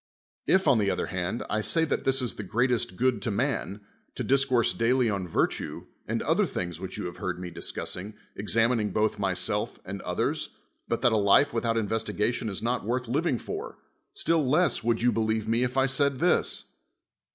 If, on the other hand, I say that this is the s'l'^'^it' '^t g'ood to num, to dis course daily on vii tue, and other thinjics which you have lu^ard me discussin.tr. examining both myself and others, but that a life without inves tigation is not worth living for, still less would you believe me if I said this.